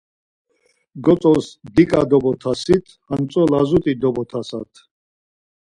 Gotzos diǩa dobotasit, hantzo lazut̆i dobotasat.